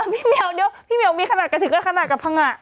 พี่เมียลเดี๋ยวพี่เมียลมีขนาดกับถึงแล้วขนาดกับพังอ่ะ